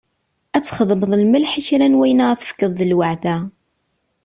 Ad txedmeḍ lmelḥ i kra n wayen ara tefkeḍ d lweɛda.